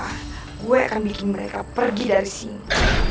aku akan membuat mereka pergi dari sini